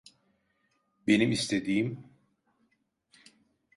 Benim istediğim…